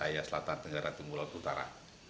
aya selatan tenggara timbulan utara